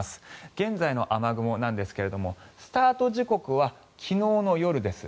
現在の雨雲なんですがスタート時刻は昨日の夜です。